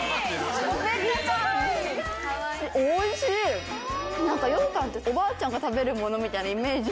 ようかんっておばあちゃんが食べるものみたいなイメージ